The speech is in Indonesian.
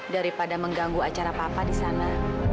daripada mengganggu acara papa di sana